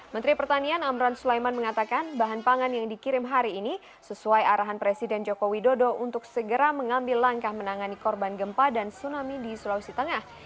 menteri pertanian amran sulaiman mengatakan bahan pangan yang dikirim hari ini sesuai arahan presiden joko widodo untuk segera mengambil langkah menangani korban gempa dan tsunami di sulawesi tengah